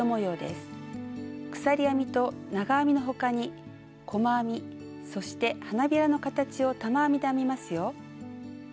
鎖編みと長編みの他に細編みそして花びらの形を玉編みで編みますよ。